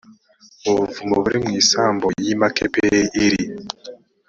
mu buvumo buri mu isambu y i makipela iri